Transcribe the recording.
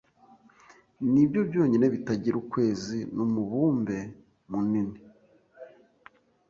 nibyo byonyine bitagira ukwezi numubumbe munini